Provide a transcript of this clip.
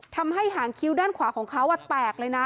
ทำให้หางคิ้วด้านขวาของเขาแตกเลยนะ